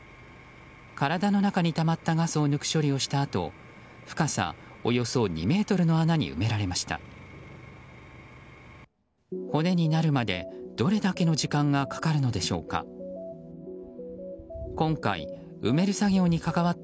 体の中にたまったガスを抜く処理をしたあと深さおよそ２ｍの穴に埋められました。